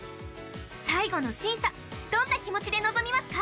最後の審査どんな気持ちで臨みますか？